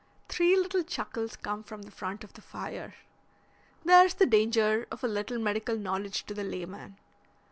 Three little chuckles come from the front of the fire. "There's the danger of a little medical knowledge to the layman."